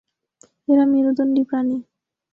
এরা মেরুদন্ডী প্রাণী।